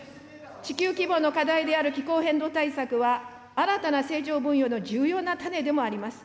地球規模の課題である気候変動対策は、新たな成長分野の重要な種でもあります。